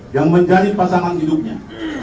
yang menjadi pasangan hidupnya